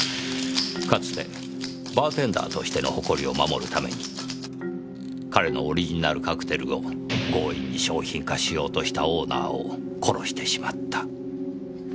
かつてバーテンダーとしての誇りを守るために彼のオリジナルカクテルを強引に商品化しようとしたオーナーを殺してしまった。